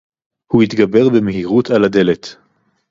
הוּא הִתְגַּבֵּר בִּמְהִירוּת עַל הַדֶּלֶת.